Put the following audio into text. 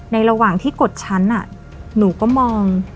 ระหว่างที่กดชั้นหนูก็มอง